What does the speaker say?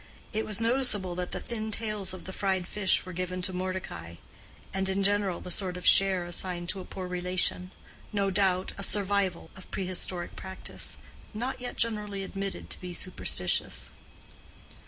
It was noticeable that the thin tails of the fried fish were given to Mordecai; and in general the sort of share assigned to a poor relation—no doubt a "survival" of prehistoric practice, not yet generally admitted to be superstitious.